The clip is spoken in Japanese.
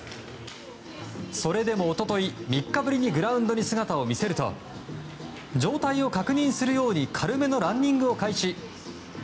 それでも一昨日３日ぶりにグラウンドに姿を見せると状態を確認するように軽めのランニングを開始。